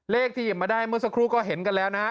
ที่หยิบมาได้เมื่อสักครู่ก็เห็นกันแล้วนะฮะ